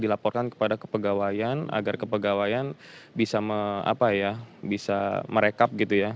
lapor kan kepada kepegawaian agar kepegawaian bisa apa ya bisa merekap gitu ya